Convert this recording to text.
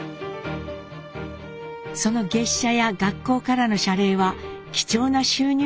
その月謝や学校からの謝礼は貴重な収入源となりました。